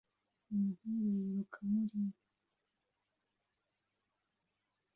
Umuhungu yiruka muri